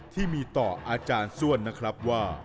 ที่มีต่ออาจารย์ส้วนนะครับว่า